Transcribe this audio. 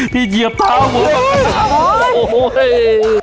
พี่เหยียบตาปุ่น